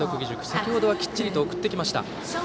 先程はきっちりと送ってきました。